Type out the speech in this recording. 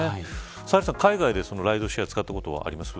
サヘルさん、海外でライドシェアを使ったことありますか。